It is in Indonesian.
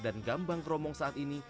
dan gambang kerombong saat ini